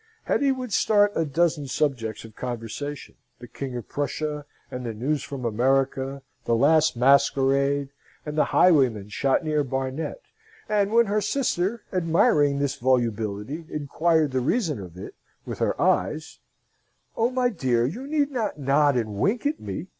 Hetty would start a dozen subjects of conversation the King of Prussia, and the news from America; the last masquerade, and the highwayman shot near Barnet; and when her sister, admiring this volubility, inquired the reason of it, with her eyes, "Oh, my dear, you need not nod and wink at me!"